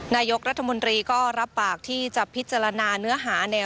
นายกรัฐมนตรีก็รับปากที่จะพิจารณาเนื้อหาแนว